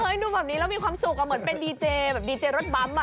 ดูแบบนี้แล้วมีความสุขเหมือนเป็นดีเจแบบดีเจรถบั๊มอ่ะ